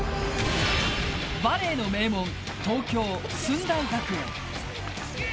バレーの名門東京・駿台学園。